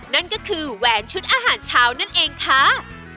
นั่นก็คือแหวนชุดอาหารเช้านั่นเองค่ะ